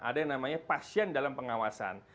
ada yang namanya pasien dalam pengawasan